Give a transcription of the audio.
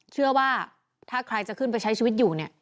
เชื่อว่าถ้าใครจะขึ้นไปใช้ชีวิตอยู่เนี่ย